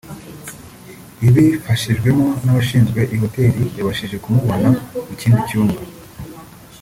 Ibifashijwemo n’abashinzwe iyi hotel yabashije kumubona mu kindi cyumba